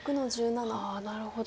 ああなるほど。